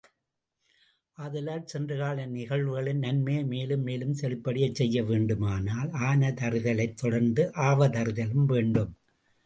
ஆதலால், சென்றகால நிகழ்வுகளின் நன்மையை மேலும் மேலும் செழிப்படையச் செய்யவேண்டுமானால் ஆனதறிதலைத் தொடர்ந்து ஆவதறிதலும் வேண்டும்.